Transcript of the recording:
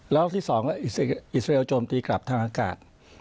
ละลอกที่๒ก็อิสรีเอียวโจมตีกลับทางอากาศ